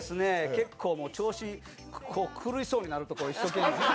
結構、調子狂いそうになるとこ一生懸命に。